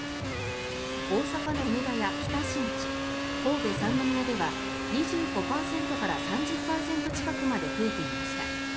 大阪の梅田や北新地神戸・三ノ宮では２５％から３０％近くまで増えていました。